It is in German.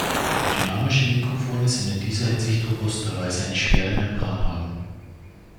Dynamische Mikrofone sind in dieser Hinsicht robuster, weil sie eine schwere Membran haben.